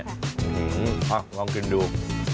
อื้อหือเอ้าลองกินดู